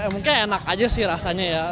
mungkin enak aja sih rasanya ya